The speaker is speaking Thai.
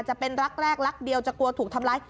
จะเป็นรักแรกรักเดียวจะกลัวถูกทำร้าย